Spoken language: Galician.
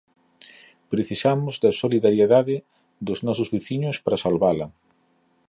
Precisamos da solidariedade dos nosos veciños para salvala.